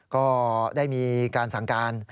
ก็ได้มีการสั่งการ